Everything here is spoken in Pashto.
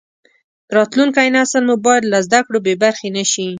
راتلونکی نسل مو باید له زده کړو بې برخې نشي.